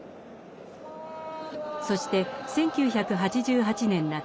そして１９８８年夏。